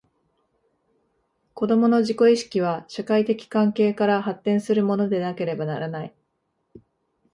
子供の自己意識は、社会的関係から発展するものでなければならない。